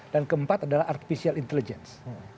dan keempat adalah artificial intelligence